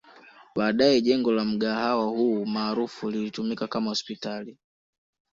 Baadae jengo la mgahawa huu maarufu lilitumika kama hospitali